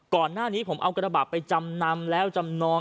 ก่อนหน้านี้ผมเอากระบะไปจำนำแล้วจำนอง